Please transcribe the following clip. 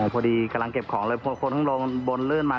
พอดีกำลังเก็บของเลยพอคนข้างลงบนลื่นมา